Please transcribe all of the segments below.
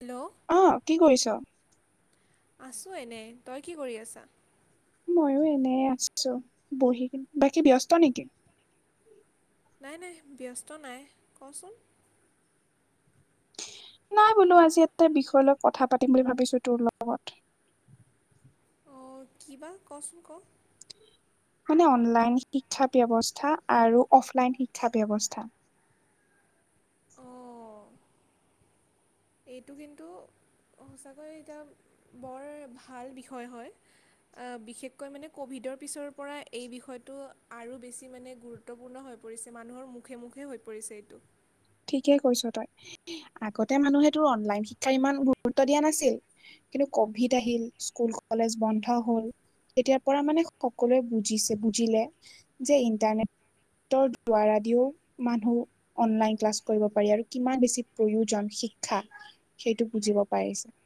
Hello. অ কি কৰিছ? আছোঁ এনেই, তই কি কৰি আছা? ময়ো এনে আছো বহি কিনে, বাকী ব্যস্ত নেকি? নাই নাই ব্যস্ত নাই কচোন নাই বোলো আজি এটা বিষয় লৈ কথা পাতিম বুলি ভাবিছো তোৰ লগত। অ কি বা কচোন ক। মানে অনলাইন শিক্ষা ব্যৱস্থা আৰু অফলাইন শিক্ষা ব্যৱস্থা অ এইটো কিন্তু সঁচাকৈ এতিয়া বৰ ভাল বিষয় হয়। বিশেষকৈ মানে ক'ভিডৰ পিছৰ পৰা এই বিষয়টো আৰু বেছি মানে গুৰু ত্বপূৰ্ণ হৈ পৰিছে মানুহৰ মুখে মুখে হৈ পৰিছে এইটো। ঠিকেই কৈছ তই আগতে মানুহেতো অনলাইন শিক্ষা ইমান গুৰুত্ব দিয়া নাছিল কিন্তু কভিড আহিল স্কুল কলেজ বন্ধ হল এতিয়াৰ পৰা মানে সকলোৱে বুজিছে বুজিলে যে ইণ্টাৰনেট ৰ দোৱাৰা দিও মানুহ অনলাইন ক্লাছ কৰিব পাৰি আৰু কিমান বেছি প্ৰয়োজন শিক্ষা সেইটো বুজিব পাৰিছে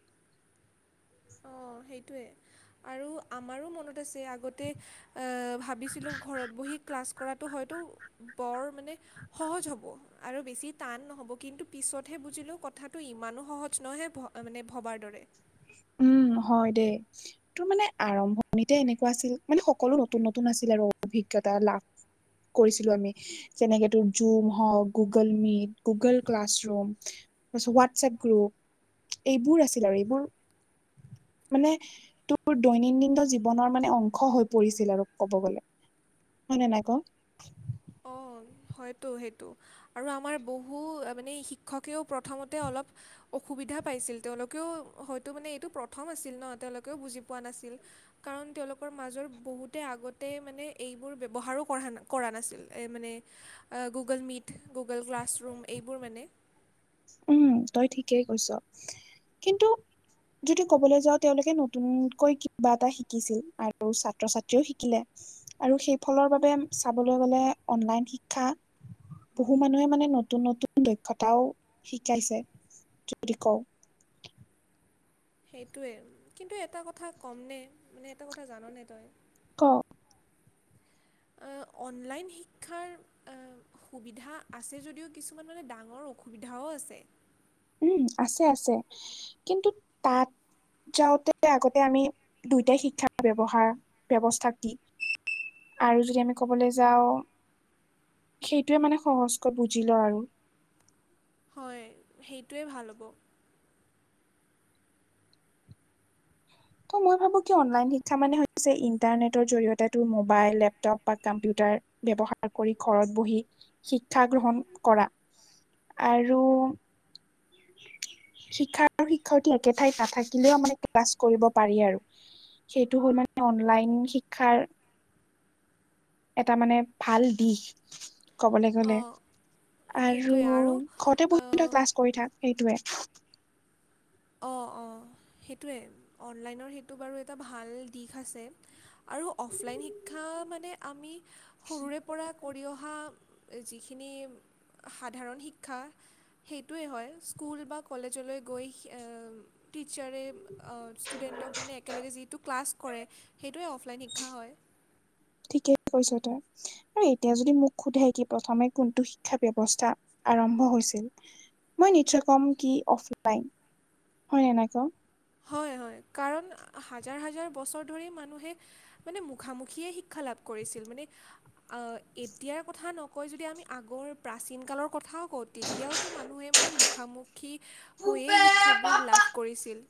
অ সেইটোৱে আৰু আমাৰো মনত আছে আগতে এ ভাবিছিলো ঘৰত বহি ক্লাছ কৰাতো হয়তো বৰ মানে সহজ হ'ব। আৰু বেছি টান নহ'ব, কিন্তু পিছতহে বুজিলো কথাটো ইমানো সহজ নহয়হে মানে ভবাৰ দৰে। উম হয় দে। তোৰ মানে আৰম্ভণিতে এনেকোৱা আছিল মানে সকলো নতুন নতুন আছিল আৰু অভিজ্ঞতা লাভ কৰিছিলো আমি। যেনেকে তোৰ জুম হওক, গুগল মিট, গুগল ক্লাছৰুম তাৰপিছত হোৱাটছএপ গ্ৰুপ এইবোৰ আছিল আৰু, এইবোৰ মানে তোৰ দৈনন্দিন জীৱনৰ মানে অংশ হৈ পৰিছিল আৰু ক'ব গলে হয় নে নাই ক অ হয়তো সেইটো আৰু আমাৰ বহু মানে শিক্ষকেও প্ৰথমতে অলপ অসুবিধা পাইছিল তেওঁলোকেও হয়তো মানে এইটো প্ৰথম আছিল ন তেওঁলোকেও বুজি পোৱা নাছিল কাৰণ তেওঁলোকৰ মাজৰ বহুতে আগতে মানে এইবোৰ ব্যৱহাৰো কৰা কৰা নাছিল এই মানে গুগল মিট গুগল ক্লাছৰুম এইবোৰ মানে উম তই ঠিকেই কৈছ কিন্তু যদি কবলৈ যাও তেওঁলোকে নতুনকৈ কিবা এটা শিকিছিল আৰু ছাত্ৰ ছাত্ৰীও শিকিলে আৰু সেইফালৰ বাবে চাবলৈ গ'লে অনলাইন শিক্ষা বহু মানুহে মানে নতুন নতুন দক্ষতাও শিকাইছে যদি কও সেইটোৱে কিন্তু এটা কথা কম নে মানে এটা কথা জাননে তই ক এ অনলাইন শিক্ষাৰ এ সুবিধা আছে যদিও কিছুমানৰ এ ডাঙৰ অসুবিধাও আছে উম আছে আছে কিন্তু তাত যাওঁতে আগতে আমি দুয়োটাই শিক্ষাৰ ব্যৱহাৰ ব্যৱস্থাক দি আৰু যদি আমি ক'বলৈ যাও সেইটোৱে মানে সহজকৈ বুজি লও আৰু হয় সেইটোৱে ভাল হ'ব ত মই ভাবো কি অনলাইন শিক্ষা মানে ইণ্টাৰনেটৰ জৰিয়তে ত মোবাইল লেপটপ বা কম্পিউটাৰ ব্যৱহাৰ কৰি ঘৰত বহি শিক্ষা গ্ৰহণ কৰা আৰু শিক্ষা আৰু শিক্ষাৰ্থী একে ঠাইত নাথাকিলেও মানে ক্লাছ কৰিব পাৰি আৰু সেইটো হ'ল মানে অনলাইন শিক্ষাৰ এটা মানে ভাল দিশ ক'বলৈ গ'লে অঁ আৰু ঘৰতে পঢ়ি তই অঁ ক্লাছ কৰি থাক সেইটোৱে অ অ সেইটোৱে অনলাইনৰ সেইটো বাৰু এটা ভাল দিশ আছে আৰু অফলাইন শিক্ষা মানে আমি সৰুৰে পৰা কৰি অহা যিখিনি সাধাৰণ শিক্ষা সেইটোৱেই হয় স্কুল বা কলেজলৈ গৈ এ টিচাৰে ষ্টুডেণ্টক মানে একেলগে যি টো ক্লাছ কৰে সেইটোৱে অফলাইন শিক্ষা হয় ঠিকে কৈছ তই আৰু এতিয়া যদি মোক সোধে কি প্ৰথমে কোনটো শিক্ষা ব্যৱস্থা আৰম্ভ হৈছিল মই নিশ্চয় কম কি অফলাইন হয় নে নাই ক হয় হয় কাৰণ হাজাৰ হাজাৰ বছৰ ধৰি মানুহে মানে মুখামুখিয়ে শিক্ষা লাভ কৰিছিল মানে আ এতিয়াৰ কথা নকয় যদি আমি আগৰ প্ৰাচীন কালৰ কথাও কওত তেতিয়াওঁতো মানুহে মানে মুখামুখি হৈয়ে শিক্ষাবোৰ লাভ কৰিছিল।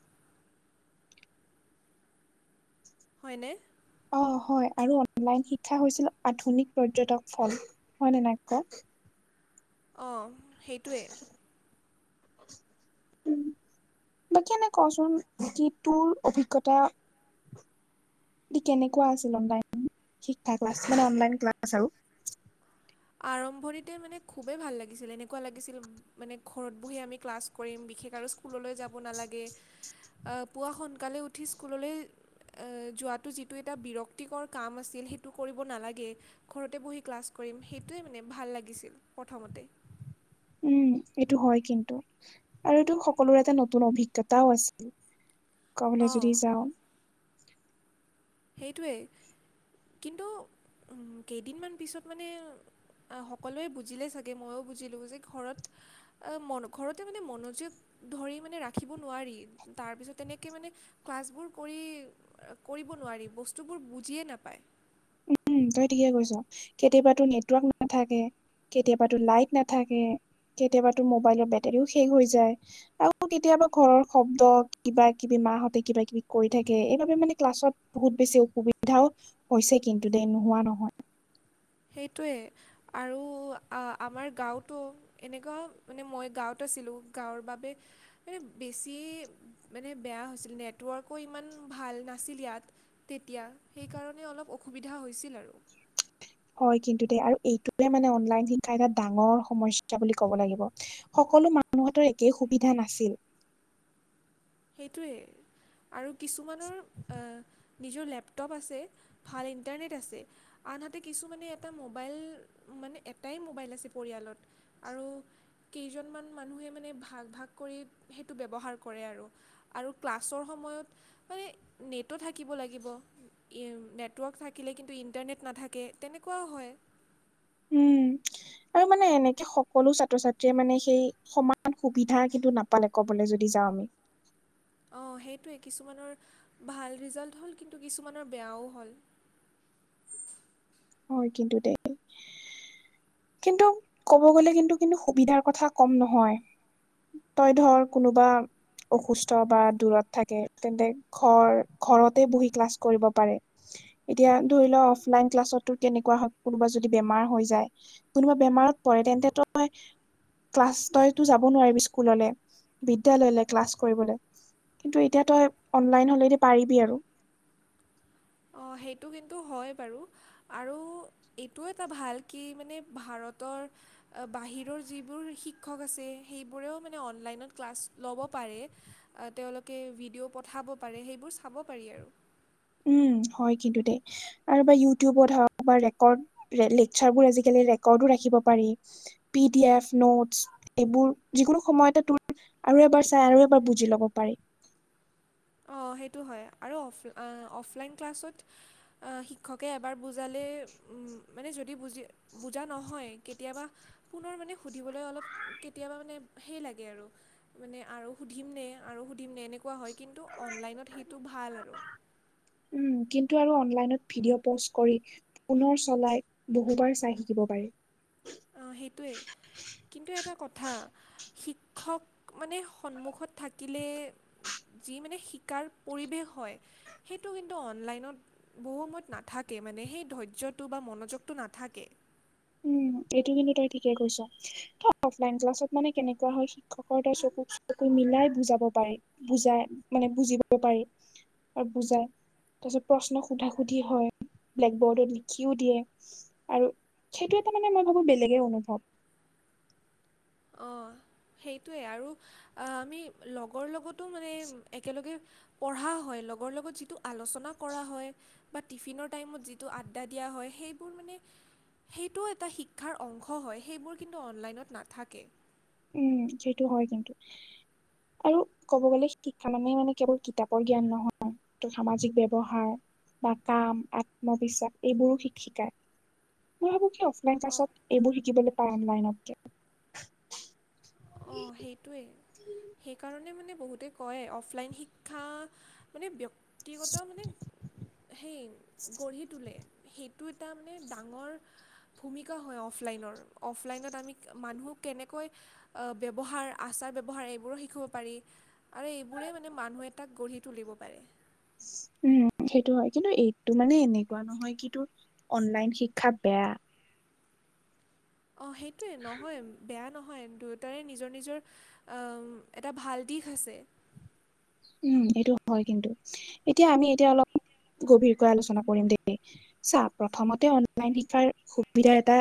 হয়নে? অ', হয় আৰু অনলাইন শিক্ষা হৈছিল আধুনিক পৰ্যটক ফল হয় নে নাই ক? অ সেইটোৱে উম বাকী এনেই ক চোন যি তোৰ অভিজ্ঞতা কেনেকোৱা আছিল অনলাইন শিক্ষা ক্লাছ মানে অনলাইন ক্লাছ আৰু আৰম্ভণিতে মানে খুবেই ভাল লাগিছিল এনেকুৱা লাগিছিল মানে ঘৰত বহি আমি ক্লাছ কৰিম বিশেষ আৰু স্কুললৈ যাব নালাগে পুৱা সোনকালে উঠি স্কুললৈ এ যোৱাটো যিটো এটা বিৰক্তিকৰ কাম আছিল সেইটো কৰিব নালাগে। ঘৰতে বহি ক্লাছ কৰিম সেইটোৱে মানে ভাল লাগিছিল প্ৰথমতে। উম, এইটো হয় কিন্তু। আৰু এইটো সকলোৰে এটা নতুন অভিজ্ঞতাও আছিল কবলে অঁ যদি যাওঁ। সেইটোৱেই কিন্তু উম কেইদিনমান পিছত মানে আ, সকলোৱে বুজিলে চাগে ময়ো বুজিলোঁ যে ঘৰত এ ঘৰতে মানে মনোযোগ ধৰি মানে ৰাখিব নোৱাৰি তাৰ পিছত তেনেকে মানে ক্লাছবোৰ কৰি কৰিব নোৱাৰি বস্তুবোৰ বুজিয়ে নাপায়। উম তই ঠিকে কৈছ কেতিয়াবাতো নেটৱৰ্ক নাথাকে। কেতিয়াবাতো লাইট নাথাকে, কেতিয়াবাতো মোবাইলৰ বেটাৰীও শেষ হৈ যায়। আও কেতিয়াবা ঘৰৰ শব্দ কিবা- কিবি মাহঁতে কিবা -কিবি কৈ থাকে এইবাবে মানে ক্লাছত বহুত বেছি অসুবিধাও হৈছে কিন্তু দে নোহোৱা নহয়। সেইটোৱে আৰু আমাৰ গাওঁতো এনেকুৱা মানে মই গাঁৱত আছিলোঁ গাঁৱৰ বাবে এ বেছি মানে বেয়া হৈছিল নেটৱৰ্কো ইমান ভাল নাছিল ইয়াত। তেতিয়া সেইকাৰণে অলপ অসুবিধা হৈছিল আৰু। হয় কিন্তু দে আৰু এইটোৱে মানে অনলাইন শিক্ষাৰ এটা ডাঙৰ সমস্যা বুলি ক'ব লাগিব। সকলো মানুহতৰ একেই সুবিধা নাছিল। সেইটোৱেই আৰু কিছুমানৰ নিজৰ লেপটপ আছে। ভাল ইণ্টাৰনেট আছে। আনহাতে কিছুমানে এটা মোবাইল মানে এটাই মোবাইল আছে পৰিয়ালত। আৰু কেইজনমান মানুহে মানে ভাগ -ভাগ কৰি সেইটো ব্যৱহাৰ কৰে আৰু। আৰু ক্লাছৰ সময়ত মানে নেটো থাকিব লাগিব। নেটৱৰ্ক থাকিলে কিন্তু ইণ্টাৰনেট নাথাকে তেনেকুৱাও হয়। উম, আৰু মানে এনেকে সকলো ছাত্ৰ -ছাত্ৰীয়ে মানে সেই সমান সুবিধা কিন্তু নাপালে ক'বলে যদি যাওঁ আমি। অ', সেইটোৱে কিছুমানৰ ভাল ৰিজাল্ট হ'ল কিন্তু কিছুমানৰ বেয়াও হ'ল। হয় কিন্তু দেই কিন্তু ক'ব গ'লে কিন্তু কিন্তু সুবিধাৰ কথা কম নহয়। তই ধৰ কোনোবা অসুস্থ বা দূৰত থাকে তেন্তে ঘৰ -ঘৰতে বহি ক্লাছ কৰিব পাৰে এতিয়া ধৰি ল' অফলাইন ক্লাছত ত, কেনেকোৱা হয় কোনোবা যদি বেমাৰ হৈ যায় কোনোবা বেমাৰত পৰে তেন্তে তই ক্লাছ তইতো যাব নোৱাৰিবি স্কুললে বিদ্যালয়লে ক্লাছ কৰিবলে। কিন্তু এতিয়া তই অনলাইন হলেদি পাৰিবি আৰু। অ, সেইটো কিন্তু হয় বাৰু। আৰু এইটো এটা ভাল কি মানে ভাৰতৰ এ বাহিৰৰ যিবোৰ শিক্ষক আছে সেইবোৰেও মানে অনলাইনত ক্লাছ ল'ব পাৰে। এ তেওঁলোকে ভিডিঅ' পঠাব পাৰে সেইবোৰ চাব পাৰি আৰু। উম, হয় কিন্তু দেই। আৰু বা ইউটিউবত হক বা ৰেকৰ্ড লেকচাৰবোৰ আজিকালি ৰেকৰ্ডো ৰাখিব পাৰি পি ডি এফ নোটছ এইবোৰ যিকোনো সময়তে তোৰ আৰু এবাৰ চাই আৰু এবাৰ বুজি লব পাৰি অ সেইটো হয় আৰু অফ অফলাইন ক্লাছত আ, শিক্ষকে এবাৰ বুজালে উ মানে যদি বুজি বুজা নহয় কেতিয়াবা পুনৰ মানে সুধিবলৈ অলপ কেতিয়াবা মানে হেই লাগে আৰু। মানে আৰু সুধিমনে- আৰু সুধিমনে এনেকোৱা হয় কিন্তু অনলাইনত সেইটো ভাল আৰু। উম, কিন্তু আৰু অনলাইনত ভিডিঅ' প'ষ্ট কৰি পুনৰ চলাই বহুবাৰ চাই শিকিব পাৰি। অহ, সেইটোৱেই। কিন্তু এটা কথা শিক্ষক মানে সন্মুখত থাকিলে যি মানে শিকাৰ পৰিৱেশ হয় সেইটো কিন্তু অনলাইনত বহু সময়ত নাথাকে মানে সেই ধৈৰ্যটো বা মনোযোগটো নাথাকে উম এইটো কিন্তু তই ঠিকে কৈছ অ অফলাইন ক্লাছত মানে কেনেকোৱা হয় শিক্ষকৰ তাত চকু চকু মিলাই বুজাব পাৰে বুজাই মানে বুজিব পাৰি আৰু বুজাই তাৰ পিছত প্ৰশ্ন সোধা সুধি হয় ব্লেক বৰ্ডত লিখিও দিয়ে আৰু সেইটো এটা মানে মই ভাবো বেলেগে অনুভৱ অ সেইটোৱে আৰু আমি লগৰ লগ তো মানে একেলগে পঢ়া হয় লগৰ লগত যিটো আলোচনা কৰা হয় বা টিফিনৰ টাইমত যিটো আড্ডা দিয়া হয় সেইবোৰ মানে সেইটো এটা শিক্ষাৰ অংশ হয় সেইবোৰ কিন্তু অনলাইনত নাথাকে উম সেইটো হয় কিন্তু আৰু ক'ব গলে শিক্ষা মানে মানে কেৱল কিতাপৰ জ্ঞান নহয় ত সামাজিক ব্যৱহাৰ বা কাম আত্মবিশ্বাস এইবোৰো শিক শিকায় মই ভাবো যে অফলাইন অঁ ক্লাছত এইবোৰ শিকিবলৈ পায় অনলাইনতকে অ সেইটোৱেই সেইকাৰণে মানে বহুতে কয় অফলাইন শিক্ষা মানে ব্য ক্তিগত মানে সেই গঢ়ি তোলে সেইটো এটা মানে ডাঙৰ ভূমিকা হয় অফলাইনৰ অফলাইনত আমি মানুহ কেনেকৈ অ ব্যৱহাৰ আচাৰ ব্যৱহাৰ এইবোৰো শিকিব পাৰি আৰু এইবোৰেই মানে মানুহ এটাক গঢ়ি তুলিব পাৰে উম সেইটো হয় কিন্তু এইটো মানে এনেকোৱা নহয় কি তোৰ অনলাইন শিক্ষা বেয়া অ সেইটোৱে নহয় বেয়া নহয় দু তাৰে নিজৰ নিজৰ অ এটা ভাল দিশ আছে উম সেইটো হয় কিন্তু এতিয়া আমি এতিয়া অলপ গভীৰকৈ আলোচনা কৰিম দেই চা প্ৰথমতে অনলাইন শিকাৰ সুবিধা এটা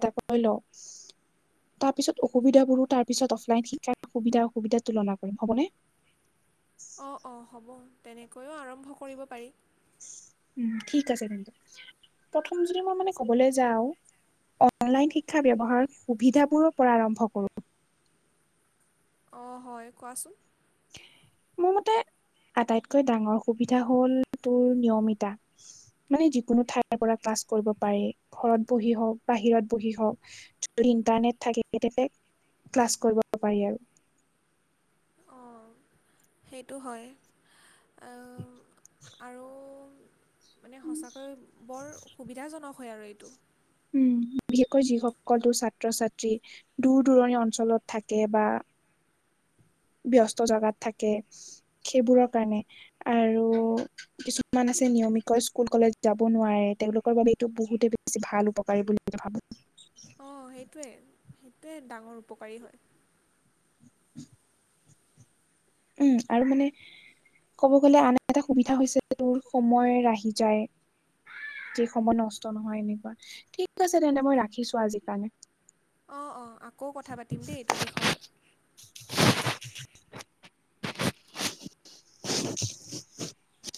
এটা কৈ লও তাৰপিছত অসুবিধাবোৰো তাৰপিছত অফলাইন শিকাৰ সুবিধা অসুবিধা তুলনা কৰিম হ'বনে? অ অ হ'ব তেনেকৈও আৰম্ভ কৰিব পাৰি। উম ঠিক আছে তেন্তে প্ৰথম যদি মই মানে কবলৈ যাওঁ অনলাইন শিক্ষা ব্যৱহাৰ সুবিধাবোৰৰ পৰা আৰম্ভ কৰোঁ। অ হয় কোৱাচোন? মোৰ মতে আটাইতকৈ ডাঙৰ সুবিধা হ'ল তোৰ নিয়মিতা মানে যিকোনো ঠাইৰ পৰা ক্লাছ কৰিব পাৰে ঘৰত বহি হওক বাহিৰত বহি হওক যদি ইন্টাৰনেট থাকে তেতিয়াহে ক্লাছ কৰিব পাৰি আৰু। অ সেইটো হয় অ। আৰু মানে সঁচাকৈ বৰ সুবিধাজনক হয় আৰু এইটো। উম' বিশেষকৈ যিসকলো ছাত্ৰ-ছাত্ৰী দূৰ-দূৰণি অঞ্চলত থাকে বা ব্যস্ত জেগাত থাকে, সেইবোৰৰ কাৰণে আৰু কিছুমান আছে নিয়মিকৈ স্কুল, কলেজ যাব নোৱাৰে, তেওঁওলোকৰ বাবে এইটো বহুতে বেছি ভাল উপকাৰী বুলি যে ভাবোঁ। অ সেইটোৱে সেইটোৱে ডাঙৰ উপকাৰী হয়। [inaudible] উম আৰু মানে ক'ব গ'লে আন এটা সুবিধা হৈছে তোৰ সময় ৰাহি যায়। যি সময় নষ্ট নহয় এনেকুৱা ঠিক আছে তেন্তে মই ৰাখিছো আজি কাৰণে। অ অ আকৌ কথা পাতিম দেই এইটো বিষয়ত [inaudible]